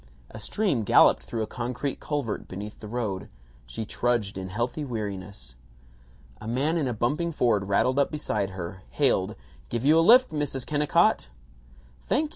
A stream golloped through a concrete culvert beneath the road. She trudged in healthy weariness. A man in a bumping Ford rattled up beside her, hailed, "Give you a lift, Mrs. Kennicott?" "Thank you.